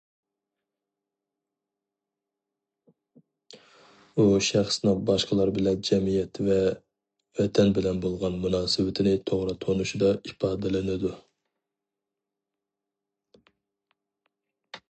ئۇ شەخسنىڭ باشقىلار بىلەن، جەمئىيەت ۋە ۋەتەن بىلەن بولغان مۇناسىۋىتىنى توغرا تونۇشىدا ئىپادىلىنىدۇ.